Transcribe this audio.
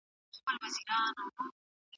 دا کتاب تر هغه بل کتاب ډېر ښه دی.